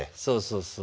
そうそう。